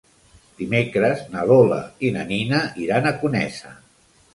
Dimecres na Lola i na Nina iran a Conesa.